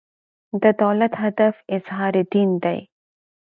د دولت هدف اظهار دین دی.